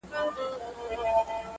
چي سترگو ته يې گورم، وای غزل لیکي,